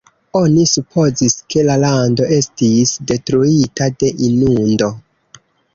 Oni supozis ke la lando estis detruita de inundo.